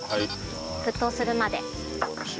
沸騰するまで。